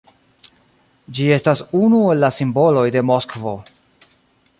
Ĝi estas unu el simboloj de Moskvo.